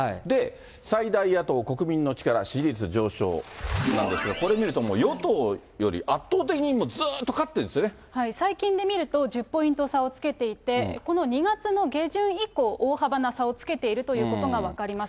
最大野党・国民の力、支持率上昇なんですが、これ見ると、もう与党より圧倒的にもう、最近で見ると、１０ポイント差をつけていて、この２月の下旬以降、大幅な差をつけているということが分かります。